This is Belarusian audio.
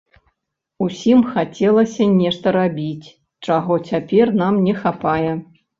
Усім хацелася нешта рабіць, чаго цяпер нам не хапае.